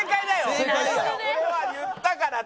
俺は言ったから。